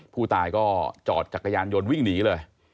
ผู้ตายก็จอดจักรยานยนต์วิ่งหนีเลย